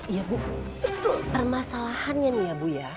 iya bu itu permasalahannya nih ya bu ya